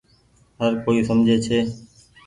هر ڪوئي سمجهي ڇي۔